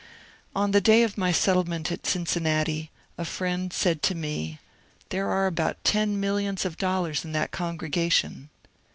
On the day of my settlement at Cincinnati, a friend said to me, '^ There are about ten millions of dollars in that congre gation."